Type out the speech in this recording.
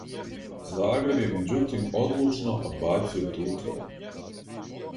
Загреб је међутим одлучно одбацио ту тврдњу.